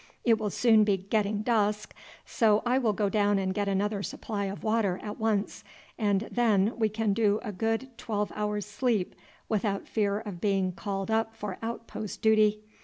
It will soon be getting dusk, so I will go down and get another supply of water at once, and then we can do a good twelve hours' sleep without fear of being called up for outpost duty.